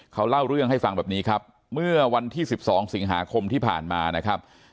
เขาเล่าเรื่องให้ฟังแบบนี้ครับเมื่อวันที่๑๒สิงหาคมที่ผ่านมานะครับ